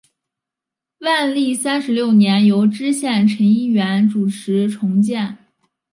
万历三十六年由知县陈一元主持重建。